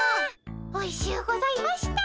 おいしゅうございました。